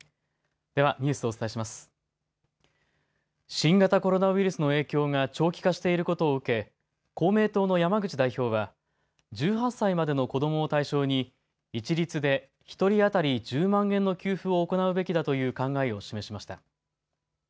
新型コロナウイルスの影響が長期化していることを受け、公明党の山口代表は１８歳までの子どもを対象に一律で１人当たり１０万円の給付を行うべきだという考えを示しました。